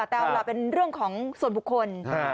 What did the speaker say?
แต่เอาล่ะเป็นเรื่องของส่วนบุคคล